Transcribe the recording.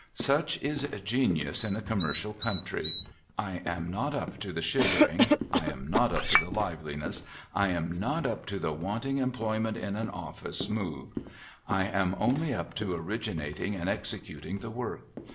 Such is genius in a commercial country. I am not up to the shivering, I am not up to the liveliness, I am not up to the wanting employment in an office move ; I am only up to originating and executing the work.